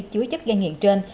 chứa chất gây nghiện trên